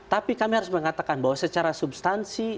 tapi kami harus mengatakan bahwa secara substansi